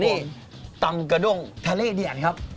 นี่ตำกระด้งทะเลเดียนครับ